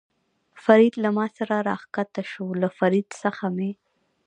فرید له ما سره را کښته شو، له فرید څخه مې.